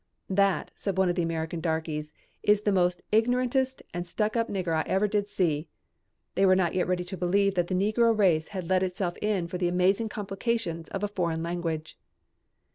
"That," said one of the American darkies, "is the most ignorantest and stuck up nigger I ever did see." They were not yet ready to believe that the negro race had let itself in for the amazing complications of a foreign language.